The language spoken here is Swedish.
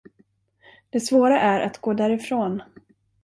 Det svåra är att gå därifrån.